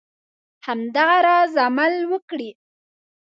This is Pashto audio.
همدغه راز عمل وکړي.